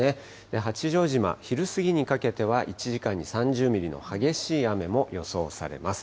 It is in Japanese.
八丈島、昼過ぎてからは１時間に３０ミリの激しい雨も予想されます。